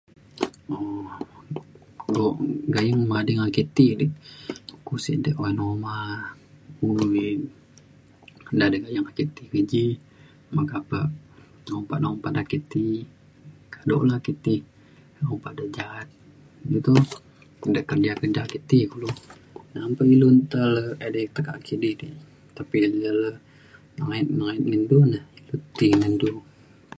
um lok gayeng mading ake ti di uko sek de kuan uma [unintelligible] gayeng ake ti ngan ji meka pe umpan umpan ake ti kado la ke ti obak de ja’at ja tu de kerja kerja ke ti kulu nang pa ilu nta edei tekak kidi di tapi ayen je nengayet nengayet ngan du na ilu ti ngan du